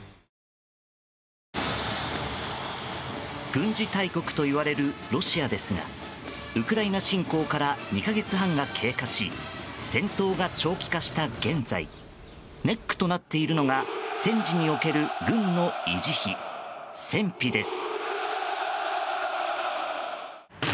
軍事大国といわれるロシアですがウクライナ侵攻から２か月半が経過し戦闘が長期化した現在ネックとなっているのが戦時における軍の維持費戦費です。